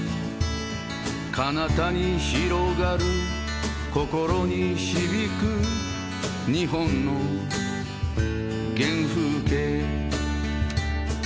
「かなたに広がる心に響く」「日本の原風景」